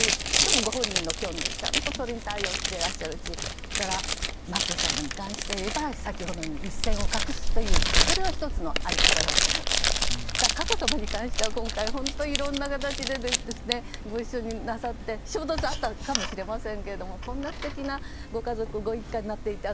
ご本人の興味をちゃんとそれに対応していらっしゃるし眞子さんに関して言えば先ほどのように一線を画すというそれは１つの在り方だと思いますし佳子さまに関しては今回、いろんな形でご一緒になさって、衝突はあったかもしれませんけれどもこんな素敵なご家族、ご一家になっていて